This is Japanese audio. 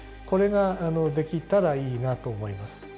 これができたらいいなと思います。